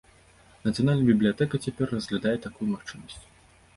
Нацыянальная бібліятэка цяпер разглядае такую магчымасць.